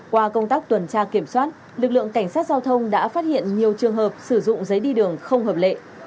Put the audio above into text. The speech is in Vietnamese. qua công tác tuần tra kiểm soát lực lượng cảnh sát giao thông đã phát hiện nhiều trường hợp sử dụng giấy đi đường không hợp lệ